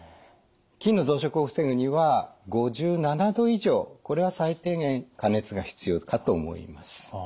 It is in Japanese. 菌の増殖を防ぐには５７℃以上これは最低限加熱が必要かと思います。